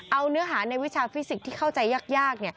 เอาเนื้อหาในวิชาฟิสิกส์ที่เข้าใจยาก